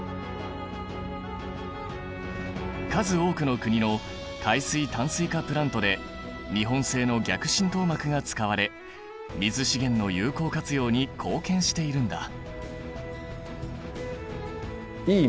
数多くの国の海水淡水化プラントで日本製の逆浸透膜が使われ水資源の有効活用に貢献しているんだ。